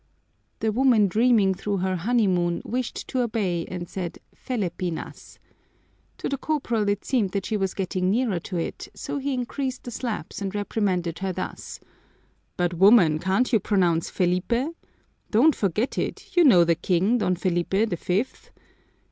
_" The woman, dreaming through her honeymoon, wished to obey and said Felepinas. To the corporal it seemed that she was getting nearer to it, so he increased the slaps and reprimanded her thus: "But, woman, can't you pronounce Felipe? Don't forget it; you know the king, Don Felipe the fifth